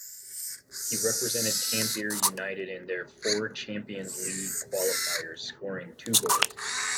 He represented Tampere United in their four Champions League Qualifiers scoring two goals.